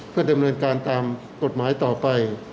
เพื่อดำเนินการตามกฎหมายต่อไป